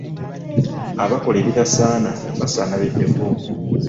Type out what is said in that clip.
Abakola ebitasaana basaana beddeko.